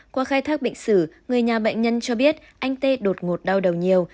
qua khai thác bệnh sử người nhà bệnh nhân cho biết anh tê đột ngột đau đầu nhiều